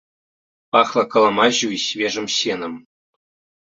Пахла каламаззю і свежым сенам.